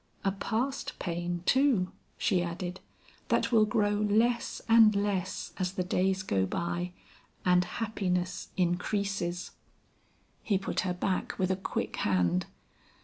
A past pain, too," she added, "that will grow less and less as the days go by and happiness increases." He put her back with a quick hand.